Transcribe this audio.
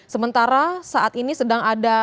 sementara saat ini sedang ada